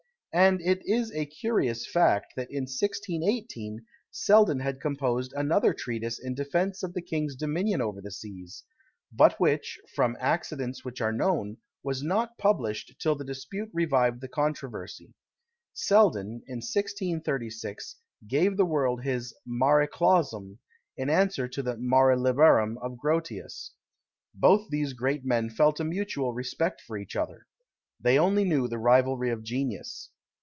And it is a curious fact, that in 1618, Selden had composed another treatise in defence of the king's dominion over the seas; but which, from accidents which are known, was not published till the dispute revived the controversy. Selden, in 1636, gave the world his Mare Clausum, in answer to the Mare Liberum of Grotius. Both these great men felt a mutual respect for each other. They only knew the rivalry of genius.